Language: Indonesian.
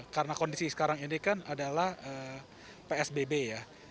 karena kondisi sekarang ini kan adalah psbb ya